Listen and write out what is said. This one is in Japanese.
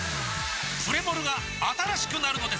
プレモルが新しくなるのです！